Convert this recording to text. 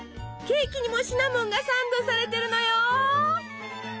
ケーキにもシナモンがサンドされてるのよ。